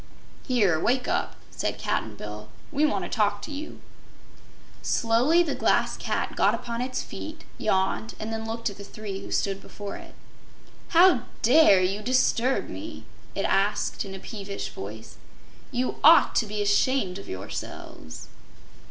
"Here, wake up," said Cap'n Bill. "We want to talk to you." Slowly the Glass Cat got upon its feed, yawned and then looked at the three who stood before it. "How dare you disturb me?" it asked in a peevish voice. "You ought to be ashamed of yourselves."